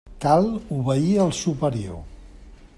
Cal obeir al superior.